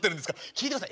聞いてください。